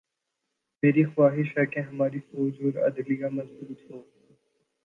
میری خواہش ہے کہ ہماری فوج اور عدلیہ مضبوط ہوں۔